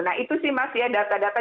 nah itu sih mas ya data data